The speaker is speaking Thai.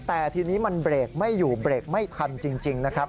แต่ทีนี้มันเบรกไม่อยู่เบรกไม่ทันจริงนะครับ